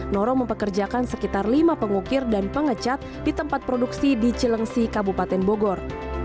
noro mempekerjakan sekitar lima pengukir dan pengecat di tempat produksi di cilengsi kabupaten bogor